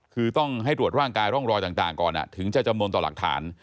คือต้องให้ตรวจร่างกายร่องรอยต่างก่อนถึงจะจำนวนต่อหลักฐาน